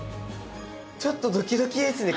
ちょっとドキドキですね。